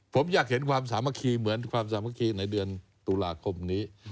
ผมอยากเห็นความสามัคคีเหมือนความสามัคคีในเดือนตุลาคมนี้